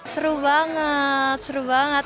seru banget seru banget